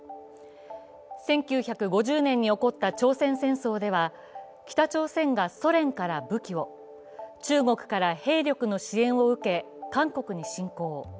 １９５０年に起こった朝鮮戦争では北朝鮮がソ連から武器を中国から兵力の支援を受け韓国に侵攻。